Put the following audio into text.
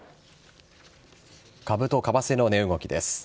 株と為替の値動きです。